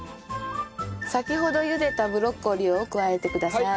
先ほどゆでたブロッコリーを加えてください。